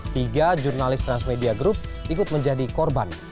tiga jurnalis transmedia group ikut menjadi korban